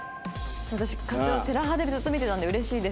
私課長『テラハ』でずっと見てたんで嬉しいです。